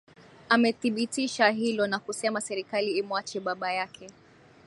amethibitisha hilo na kusema serikali imwache baba yake